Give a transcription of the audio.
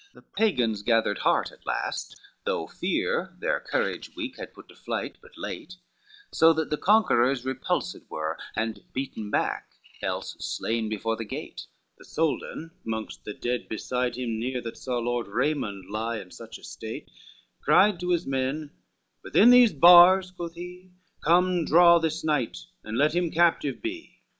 XLIV The Pagans gathered heart at last, though fear Their courage weak had put to flight but late, So that the conquerors repulsed were, And beaten back, else slain before the Gate: The Soldan, mongst the dead beside him near That saw Lord Raymond lie in such estate, Cried to his men, "Within these bars," quoth he, "Come draw this knight, and let him captive be."